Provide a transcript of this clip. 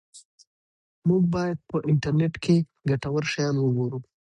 موږ باید په انټرنیټ کې ګټور شیان وګورو.